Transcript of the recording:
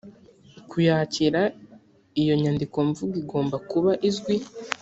kuyakira iyo nyandikomvugo igomba kuba izwi